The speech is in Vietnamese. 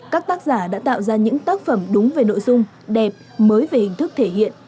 các tác giả đã tạo ra những tác phẩm đúng về nội dung đẹp mới về hình thức thể hiện